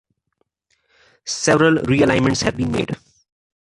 Several realignments have been made.